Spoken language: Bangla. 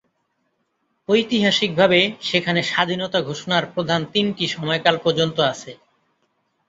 ঐতিহাসিকভাবে, সেখানে স্বাধীনতা ঘোষণার প্রধান তিনটি সময়কাল পর্যন্ত আছে।